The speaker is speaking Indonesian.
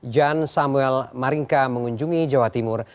jan samuel maringka mengunjungi jawa timur